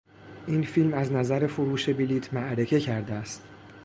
این فیلم از نظر فروش بلیط معرکه کرده است.